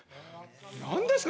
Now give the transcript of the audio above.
何ですか？